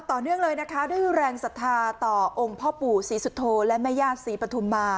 ต่อเนื่องเลยนะคะด้วยแรงศรัทธาต่อองค์พ่อปู่ศรีสุโธและแม่ญาติศรีปฐุมมา